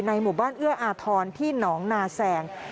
หมู่บ้านเอื้ออาทรที่หนองนาแสง